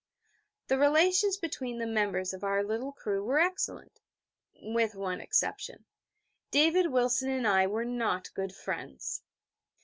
The relations between the members of our little crew were excellent with one exception: David Wilson and I were not good friends.